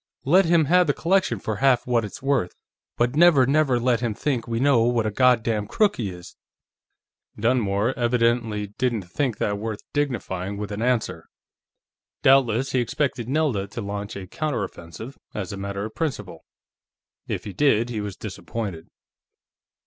Let him have the collection for half what it's worth, but never, never let him think we know what a God damned crook he is!" Dunmore evidently didn't think that worth dignifying with an answer. Doubtless he expected Nelda to launch a counter offensive, as a matter of principle. If he did, he was disappointed.